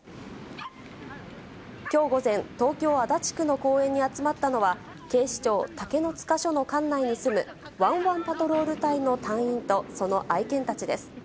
きょう午前、東京・足立区の公園に集まったのは、警視庁竹の塚署の管内に住むわんわんパトロール隊の隊員とその愛犬たちです。